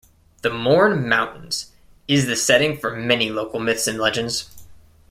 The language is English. The Mourne Mountains is the setting for many local myths and legends.